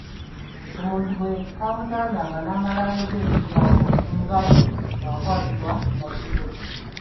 Omuntu bwe kaamutandanga n'amala ayogera ekigambo ngabi, ng'akwatibwa n'attibwa.